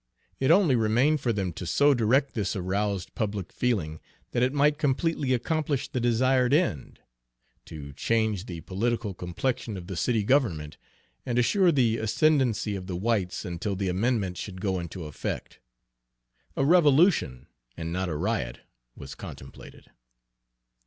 It only remained for them to so direct this aroused public feeling that it might completely accomplish the desired end, to change the political complexion of the city government and assure the ascendency of the whites until the amendment should go into effect. A revolution, and not a riot, was contemplated.